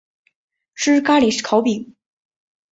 吃咖哩烤饼